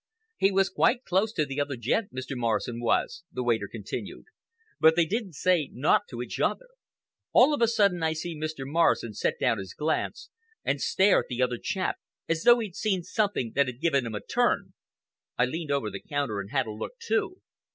"He was quite close to the other gent, Mr. Morrison was," the waiter continued, "but they didn't say nowt to each other. All of a sudden I see Mr. Morrison set down his glass and stare at the other chap as though he'd seen something that had given him a turn. I leaned over the counter and had a look, too.